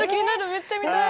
めっちゃ見たい。